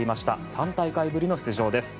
３大会ぶりの出場です。